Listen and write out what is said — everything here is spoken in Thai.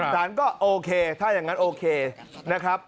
สารก็โอเคถ้าอย่างนั้นโอเคนะครับ